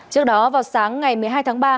trước đó vào sáng ngày một mươi hai tháng ba